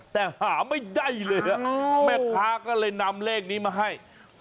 แต่หาไม่ได้เลยแม่ค้าก็เลยนำเลขนี้มาให้